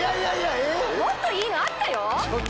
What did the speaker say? ⁉もっといいのあったよ！